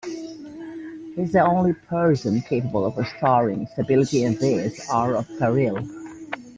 He's the only person capable of restoring stability in this hour of peril.